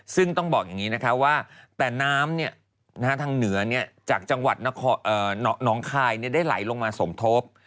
ซึ่งต้องบอกอย่างนี้นะคะว่าแต่น้ำทางเหนือจากจังหวัดน้องคายได้ไหลลงมาสมทบ